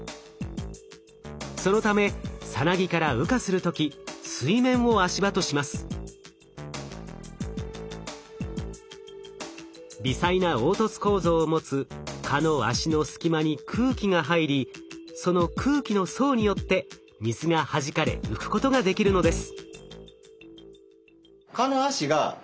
そのためさなぎから微細な凹凸構造を持つ蚊の脚の隙間に空気が入りその空気の層によって水がはじかれ浮くことができるのです。